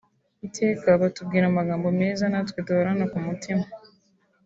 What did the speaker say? Iteka batubwira amagambo meza natwe duhorana ku mutima